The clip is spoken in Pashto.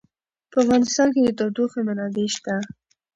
په افغانستان کې د تودوخه منابع شته.